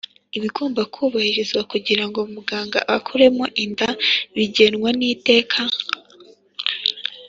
Ibigomba kubahirizwa kugira ngo muganga akuremo inda bigenwa n’iteka